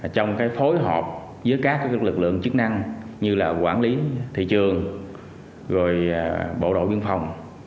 trong phối hợp với các lực lượng chức năng như là quản lý thị trường bộ đội biên phòng